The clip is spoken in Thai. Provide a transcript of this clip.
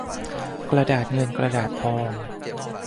กระดาษเงินกระดาษทอง